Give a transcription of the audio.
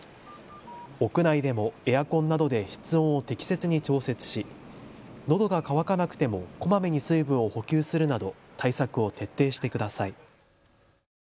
屋内でもエアコンなどで室温を適切に調節しのどが渇かなくてもこまめに水分を補給するなど対策を徹底してください。